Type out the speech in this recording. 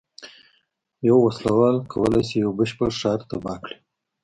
یوه وسله کولای شي یو بشپړ ښار تباه کړي